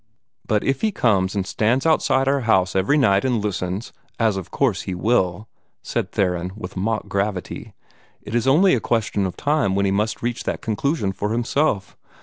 "But if he comes and stands outside our house every night and listens as of course he will," said Theron, with mock gravity, "it is only a question of time when he must reach that conclusion for himself.